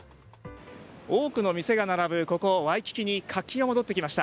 多くの店が並ぶここ、ワイキキに活気が戻ってきました。